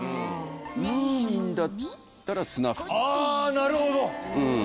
あなるほど。